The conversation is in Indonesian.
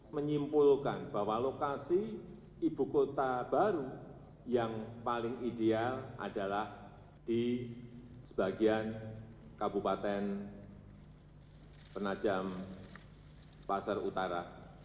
menyimpulkan bahwa lokasi ibu kota baru yang paling ideal adalah di sebagian kabupaten penajam pasar utara